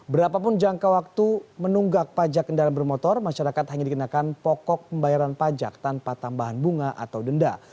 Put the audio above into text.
berapapun jangka waktu menunggak pajak kendaraan bermotor masyarakat hanya dikenakan pokok pembayaran pajak tanpa tambahan bunga atau denda